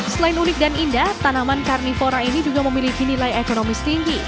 selain unik dan indah tanaman karnivora ini juga memiliki nilai ekonomis tinggi